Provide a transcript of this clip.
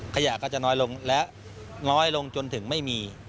ขยะก็จะน้อยลงและน้อยลงจนถึงไม่มี